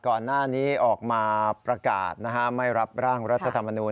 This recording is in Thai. ก่อนหน้านี้ออกมาประกาศไม่รับร่างรัฐธรรมนูญ